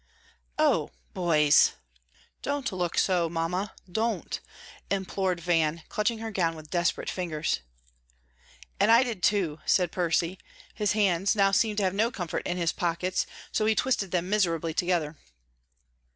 "Oh, boys!" "Don't look so, Mamma, don't!" implored Van, clutching her gown with desperate fingers. "And I did, too," said Percy. His hands now seemed to have no comfort in his pockets, so he twisted them miserably together.